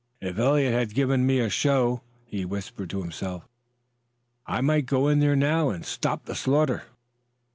"If Eliot had given me a show," he whispered to himself, "I might go in there now and stop the slaughter."